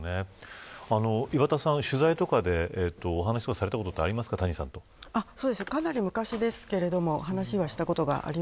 岩田さん、取材とかでお話とかされたことありますかかなり昔ですけれどもどんな方ですか。